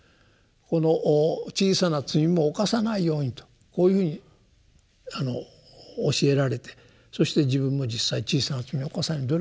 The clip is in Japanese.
この小さな罪も犯さないようにとこういうふうに教えられてそして自分も実際小さな罪を犯さないように努力してもですね